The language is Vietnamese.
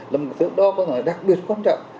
là một thứ đặc biệt quan trọng